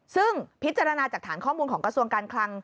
ซึ่งพิจารณาจากฐานข้อมูลของกระทรวงการคลัง